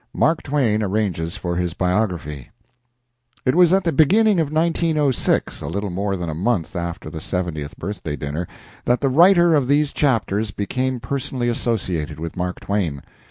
MARK TWAIN ARRANGES FOR HIS BIOGRAPHY It was at the beginning of 1906 a little more than a month after the seventieth birthday dinner that the writer of these chapters became personally associated with Mark Twain.